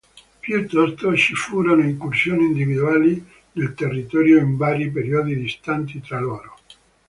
Piuttosto, ci furono incursioni individuali nel territorio in vari periodi distanti tra loro.